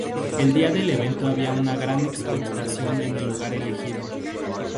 El día del evento había una gran expectación en el lugar elegido.